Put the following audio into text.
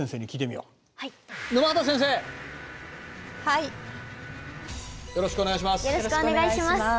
よろしくお願いします。